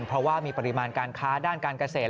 เพราะว่ามีปริมาณการค้าด้านการเกษตร